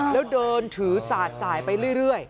แล้วเดินถือสาดสายไปเรื่อย